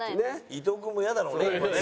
伊藤君もイヤだろうね今ね。